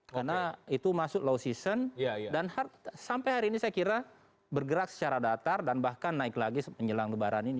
karena itu masuk low season dan sampai hari ini saya kira bergerak secara datar dan bahkan naik lagi menjelang lebaran ini